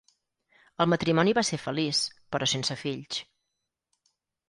El matrimoni va ser feliç, però sense fills.